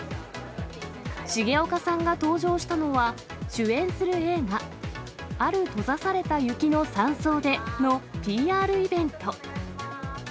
重岡さんが登場したのは主演する映画、ある閉ざされた雪の山荘でのＰＲイベント。